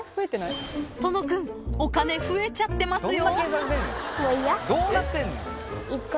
［との君お金増えちゃってますよ］